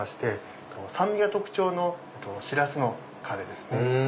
酸味が特徴のシラスのカレーです。